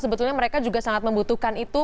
sebetulnya mereka juga sangat membutuhkan itu